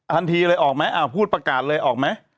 ทันทีเลยออกไหมพูดประกาศเลยออกไหม